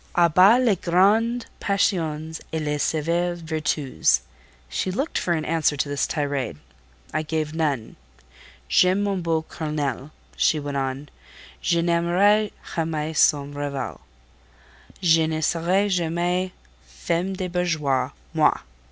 A bas les grandes passions et les sévères vertus!" She looked for an answer to this tirade. I gave none. "J'aime mon beau Colonel," she went on: "je n'aimerai jamais son rival. Je ne serai jamais femme de bourgeois, moi!"